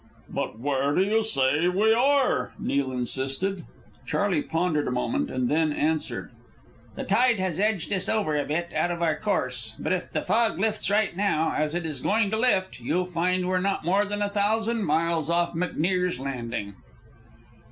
"But where do you say we are?" Neil insisted. Charley pondered a moment, and then answered, "The tide has edged us over a bit out of our course, but if the fog lifts right now, as it is going to lift, you'll find we're not more than a thousand miles off McNear's Landing."